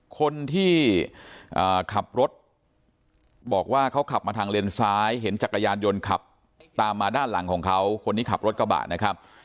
คนที่ขับรถบอกว่าเขาขับมาทางเลนซ้ายเห็นจักรยานยนต์ขับตามมาด้านหลังของเขาคนที่ขับรถกระบะนะครับ